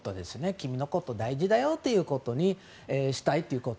君のこと大事だよということにしたいということ。